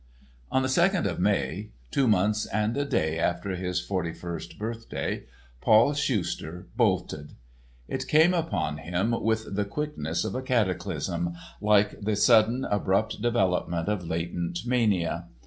On the second of May—two months and a day after his forty first birthday—Paul Schuster bolted. It came upon him with the quickness of a cataclysm, like the sudden, abrupt development of latent mania.